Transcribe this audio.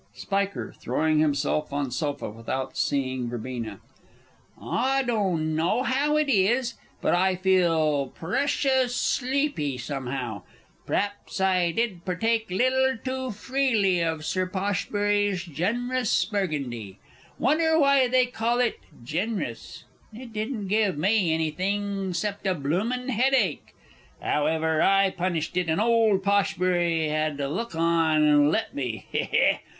_ Spiker. (throwing himself on sofa without seeing Verb.) I don' know how it is, but I feel precioush shleepy, somehow. P'raps I did partake lil' too freely of Sir Poshbury's gen'rous Burgundy. Wunner why they call it "gen'rous" it didn't give me anything 'cept a bloomin' headache! However, I punished it, and old Poshbury had to look on and let me. He he!